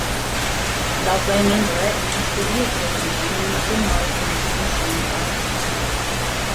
Laut Ray Manzarek inspirierte der junge Danny Jim Morrison zu dem Song "Wild Child".